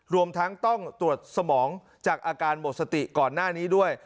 รวมทั้งต้องตรวจสมองจากอาการหมดสติก่อนหน้านี้ด้วย